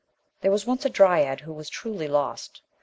lHERE was once a dryad who was truly lost.